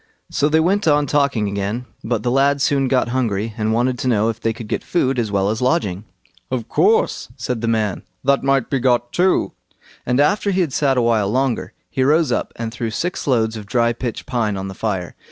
So they went on talking again, but the lad soon got hungry, and wanted to know if they could get food as well as lodging. "Of course", said the man, "that might be got too." And after he had sat a while longer, he rose up and threw six loads of dry pitch pine on the fire.